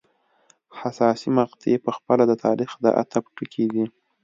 حساسې مقطعې په خپله د تاریخ د عطف ټکي دي.